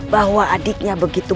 bahwa adiknya begitu